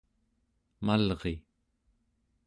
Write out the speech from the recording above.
malri